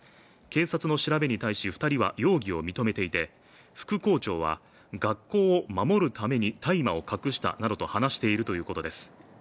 警察の調べに対し二人は容疑を認めていて副校長は学校を守るために大麻を隠したなどと話しているということです